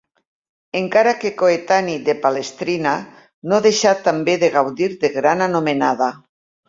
Encara que coetani de Palestrina no deixà també de gaudir de gran anomenada.